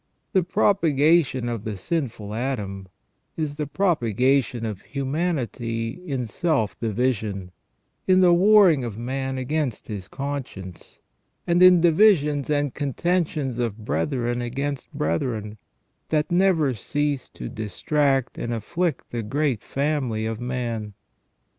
The propa gation of the sinful Adam is the propagation of humanity in self division, in the warring of man against his conscience, and in divisions and contentions of brethren against brethren, that never cease to distract and afflict the great family of man.